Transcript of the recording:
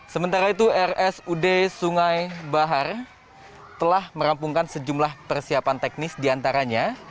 sementara itu rsud sungai bahar telah merampungkan sejumlah persiapan teknis diantaranya